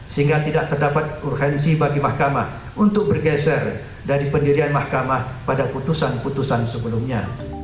sehingga tidak terdapat urgensi bagi mahkamah untuk bergeser dari pendirian mahkamah pada putusan putusan sebelumnya